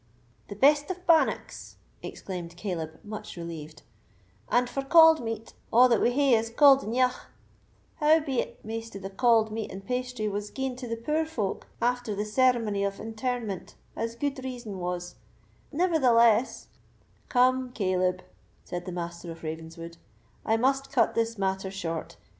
"The best of bannocks!" exclaimed Caleb, much relieved; "and, for cauld meat, a' that we hae is cauld eneugh,—how beit, maist of the cauld meat and pastry was gien to the poor folk after the ceremony of interment, as gude reason was; nevertheless——" "Come, Caleb," said the Master of Ravenswood, "I must cut this matter short.